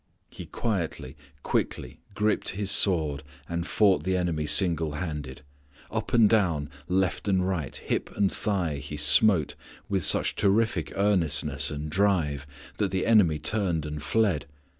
He quietly, quickly gripped his sword and fought the enemy single handed. Up and down, left and right, hip and thigh he smote with such terrific earnestness and drive that the enemy turned and fled.